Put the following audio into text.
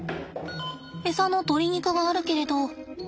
エサの鶏肉があるけれど。